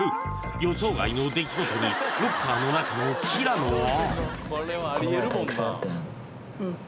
予想外の出来事にロッカーの中の平野は？